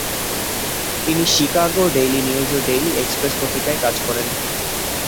তিনি "Chicago Daily News" ও "Daily Express" পত্রিকায় কাজ করেন।